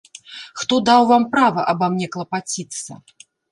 Хто даў вам права аба мне клапаціцца?